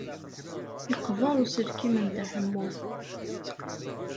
Yeqber uselkim n Dda Ḥemmu.